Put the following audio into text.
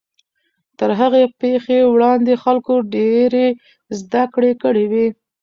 تر هغې پیښې وړاندې خلکو ډېرې زدهکړې کړې وې.